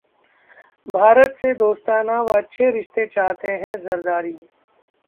भारत से दोस्ताना व अच्छे रिश्ते चाहते हैं: जरदारी